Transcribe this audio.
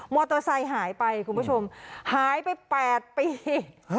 เตอร์ไซค์หายไปคุณผู้ชมหายไป๘ปี